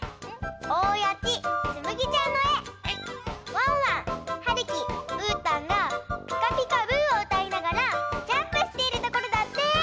ワンワンはるきうーたんが「ピカピカブ！」をうたいながらジャンプしているところだって！